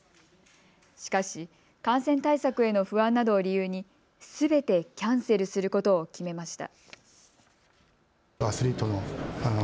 しかし、感染対策への不安などを理由にすべてキャンセルすることを決めました。